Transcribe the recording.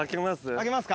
開けますか。